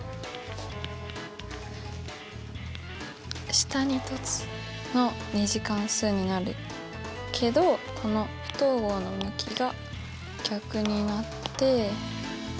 下に凸の２次関数になるけどこの不等号の向きが逆になって。